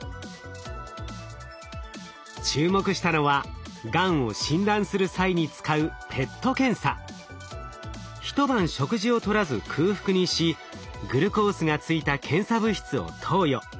注目したのはがんを診断する際に使う一晩食事をとらず空腹にしグルコースがついた検査物質を投与。